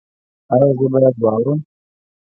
ایا زه باید واورم؟